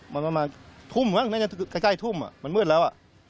มาทุ่มใกล้ทุ่มมันมืดแล้ว